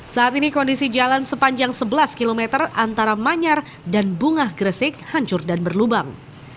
saat ini kondisi jalan sepanjang sebelas km antara manyar dan bungah gresik hancur dan berlubang